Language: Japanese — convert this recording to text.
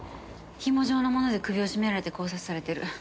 ひも状のもので首を絞められて絞殺されてる。